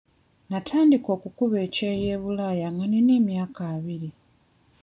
Natandika okukuba ekyeyo e bulaaya nga nina emyaka abiri.